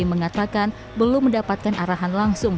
mengatakan belum mendapatkan arahan langsung